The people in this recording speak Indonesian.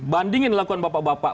banding yang dilakukan bapak bapak